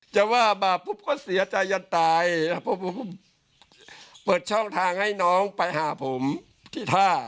จะว่าบาปปุ๊บก็เสียใจยันตายแล้วเพราะผมเปิดช่องทางให้น้องไปหาผมที่ท่า